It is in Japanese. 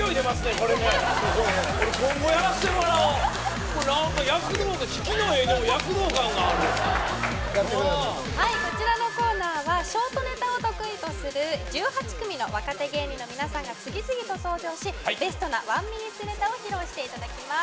これね俺今後やらせてもらおう引きの画でも躍動感があるさあはいこちらのコーナーはショートネタを得意とする１８組の若手芸人の皆さんが次々と登場しベストなワンミニッツネタを披露していただきます